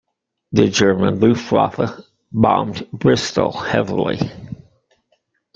The German Luftwaffe bombed Bristol heavily.